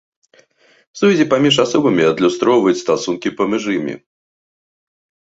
Сувязі паміж асобамі адлюстроўваюць стасункі паміж імі.